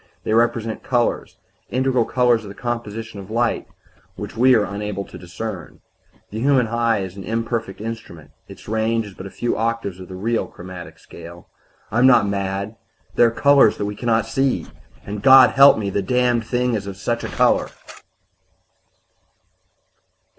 They represent colors integral colors in the composition of light which we are unable to discern. The human eye is an imperfect instrument; its range is but a few octaves of the real 'chromatic scale' I am not mad; there are colors that we can not see. "And, God help me! the Damned Thing is of such a color!"